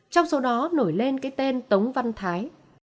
trong số đó nổi lên cái tên tống văn thái